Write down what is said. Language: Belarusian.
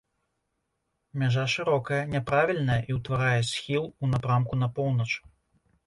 Мяжа шырокая, няправільная і ўтварае схіл у напрамку на поўнач.